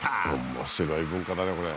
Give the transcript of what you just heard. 面白い文化だねこれ。